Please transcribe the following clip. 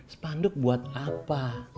spanduk buat apa